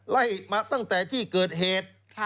ไล่มาตั้งแต่ที่เกิดเหตุ